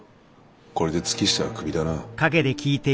これで月下はクビだな。